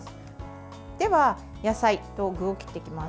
では野菜と具を切っていきます。